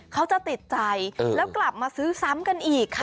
เขาจะติดใจแล้วกลับมาซื้อซ้ำกันอีกค่ะ